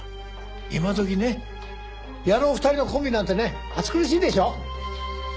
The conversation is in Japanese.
今どきね野郎２人のコンビなんてね暑苦しいでしょ？